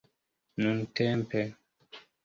nuntempe